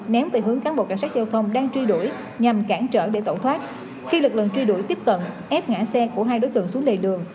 ném từ hướng cán bộ cảnh sát giao thông đang truy đuổi nhằm cản trở để tẩu thoát khi lực lượng truy đuổi tiếp cận ép ngã xe của hai đối tượng xuống lề đường